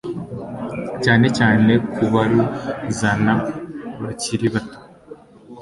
cyane cyane ku baruzana bakiri bato